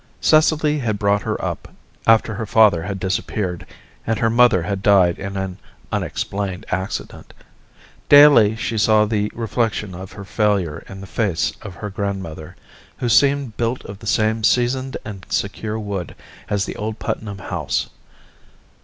Cecily had brought her up, after her father had disappeared and her mother had died in an unexplained accident. Daily she saw the reflection of her failure in the face of her grandmother, who seemed built of the same seasoned and secure wood as the old Putnam house.